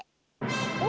お！